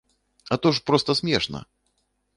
А то ж проста смешна!